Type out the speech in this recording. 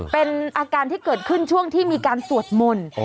เป็นอาการที่เกิดขึ้นช่วงที่มีการสวดมนต์